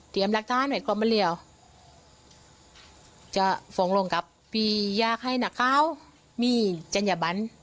กลับมาเรียวจะฟองลงกับพี่อยากให้หน้าขาวมีจรรยาบรรณ